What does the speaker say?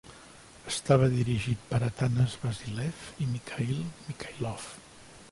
Estava dirigit per Atanas Vasilev i Michail Michailov.